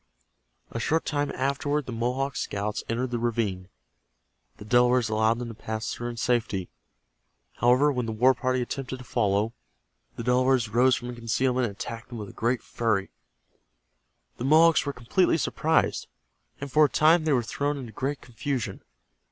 A short time afterward the Mohawk scouts entered the ravine. The Delawares allowed them to pass through in safety. However, when the war party attempted to follow, the Delawares rose from concealment and attacked them with great fury. The Mohawks were completely surprised, and for a time they were thrown into great confusion.